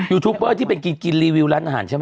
ยูทูปเปอร์ที่เป็นกินรีวิวร้านอาหารใช่ไหม